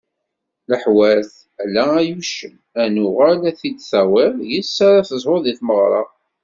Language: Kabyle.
Leḥwat: Ala ay uccen ad nuγal ad t-id-tawiḍ yis-s ara tezhud di tmeγra.